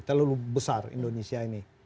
terlalu besar indonesia ini